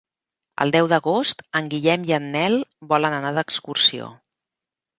El deu d'agost en Guillem i en Nel volen anar d'excursió.